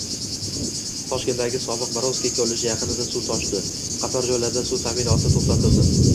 Toshkentdagi sobiq Borovskiy kolleji yaqinida suv toshdi. Qator joylarda suv ta’minoti to‘xtatildi